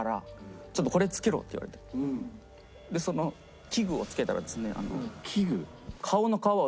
その器具をつけたらですね。